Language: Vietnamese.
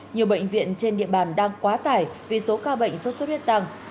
nhiều bệnh viện trên địa bàn đang quá tải vì số ca bệnh sốt xuất huyết tăng